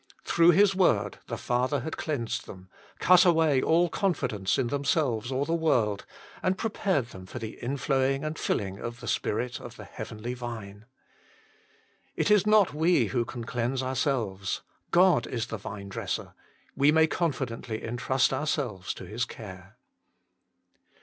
Through His word the Father had cleansed them, cut away all confidence in themselves or the world, and prepared them for the inflowing and filling of the Spirit of the Heavenly Vine. It is not we who can cleanse ourselves : God is the Vinedresser : we may con fidently intrust ourselves to His care.